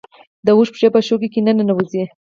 د اوښ پښې په شګو کې نه ننوځي